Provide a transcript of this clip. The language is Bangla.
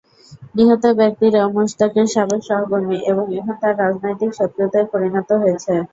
নিহত ব্যক্তিরা মোশতাকের সাবেক সহকর্মী এবং এখন তাঁর রাজনৈতিক শত্রুতে পরিণত হয়েছেন।